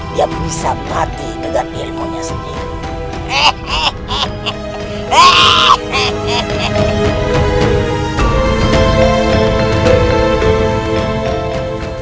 dia bisa mati dengan ilmunya sendiri